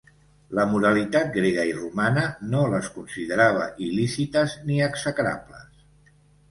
La moralitat grega i romana no les considerava il·lícites ni execrables.